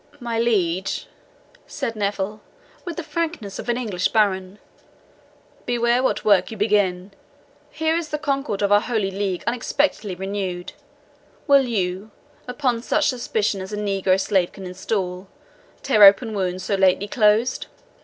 "My liege," said Neville, with the frankness of an English baron, "beware what work you begin. Here is the concord of our holy league unexpectedly renewed will you, upon such suspicion as a negro slave can instil, tear open wounds so lately closed?